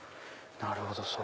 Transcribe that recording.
なるほど！